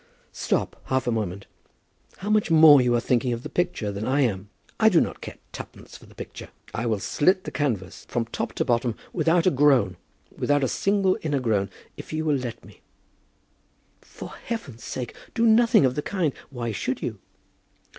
"Stop half a moment. How much more you are thinking of the picture than I am! I do not care twopence for the picture. I will slit the canvas from top to bottom without a groan, without a single inner groan, if you will let me." "For heaven's sake do nothing of the kind! Why should you?"